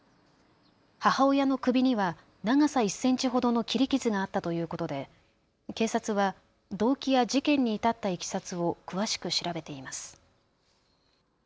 母親の首には長さ１センチほどの切り傷があったということで警察は動機や事件に至ったいきさつを詳しく調べています。